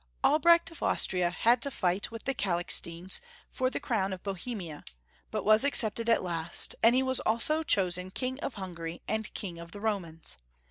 ALBRECHT of Austria had to fight with the Calixtines for the crown of Bohemia, but was accepted at last, and he was also chosen King of Hungary and King of the Romans.